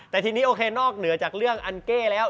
แต่ทีนี้โอเคนอกเหนือจากเรื่องอันเก้แล้ว